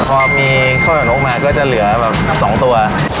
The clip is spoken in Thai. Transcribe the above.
พอมีข้าวหย่อนโรคมาก็จะเหลือแบบสองตัว